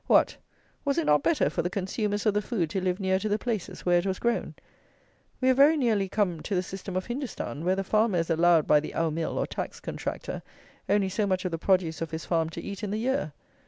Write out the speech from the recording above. What! was it not better for the consumers of the food to live near to the places where it was grown? We have very nearly come to the system of Hindostan, where the farmer is allowed by the Aumil, or tax contractor, only so much of the produce of his farm to eat in the year!